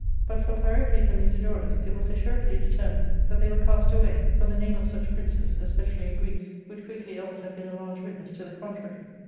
But for Pyrocles and Musidorus, it was assuredly determined that they were cast away, for the name of such princes, especially in Greece, would quickly else have been a large witness to the contrary.